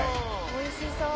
おいしそう。